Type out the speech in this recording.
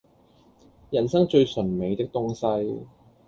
人生最醇美的東西